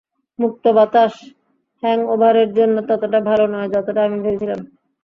মুক্ত বাতাস হ্যাংওভারের জন্য ততটা ভালো নয় যতটা আমি ভেবেছিলাম।